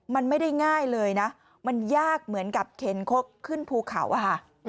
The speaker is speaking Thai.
มันไม่ได้ง่ายเลยนะมันยากเหมือนกับเข็นคกขึ้นภูเขาอะค่ะ